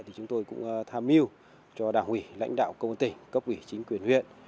chúng tôi cũng tham mưu cho đảng quỷ lãnh đạo công tỉnh cấp quỷ chính quyền huyện